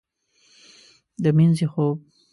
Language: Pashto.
د مینځې خوب